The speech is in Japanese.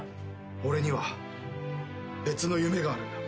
俺には別の夢があるんだ。